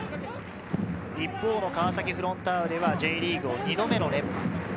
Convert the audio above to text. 一方の川崎フロンターレはＪリーグを２度目の連覇。